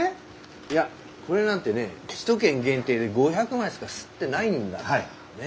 いやこれなんてね首都圏限定で５００枚しか刷ってないんだからね。